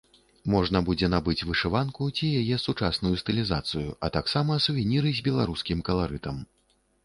Можна будзе набыць вышыванку ці яе сучасную стылізацыю, а таксама сувеніры з беларускім каларытам.